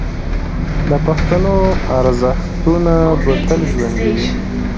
د پښتنو ارزښتونه به تل ژوندي وي.